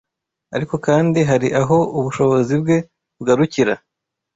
ariko kandi hari aho ubushobozi bwe bugarukira